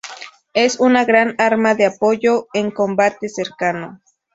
Es un gran arma de apoyo en combate cercano.